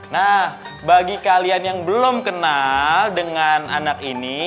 nah bagi kalian yang belum kenal dengan anak ini